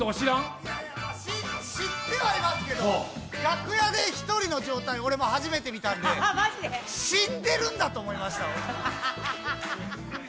知ってはいますけれども楽屋で１人の状態、僕も初めて見たんで死んでるんだと思いました。